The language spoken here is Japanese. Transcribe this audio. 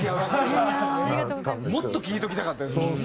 もっと聴いておきたかったですもんね。